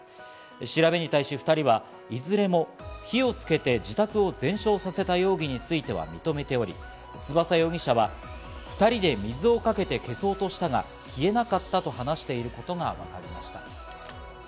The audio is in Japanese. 調べに対し２人はいずれも火をつけて自宅を全焼させた容疑については認めており、翼容疑者は２人で水をかけて消そうとしたが、消えなかったと話していることがわかりました。